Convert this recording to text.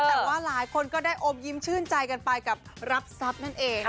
แต่ว่าหลายคนก็ได้อมยิ้มชื่นใจกันไปกับรับทรัพย์นั่นเอง